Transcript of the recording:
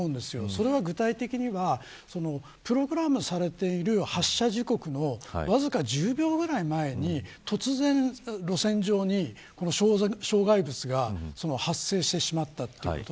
それは具体的にはプログラムされている発車時刻のわずか１０秒くらい前に突然路線上に障害物が発生してしまったということ。